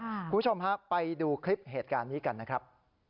คุณผู้ชมฮะไปดูคลิปเหตุการณ์นี้กันนะครับ